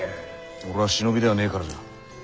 俺は忍びではねえからじゃ。